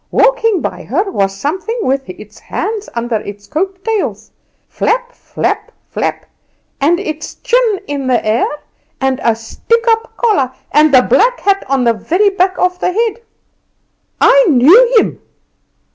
Walking by her was something with its hands under its coat tails, flap, flap, flap; and its chin in the air, and a stick up collar, and the black hat on the very back of the head. I knew him!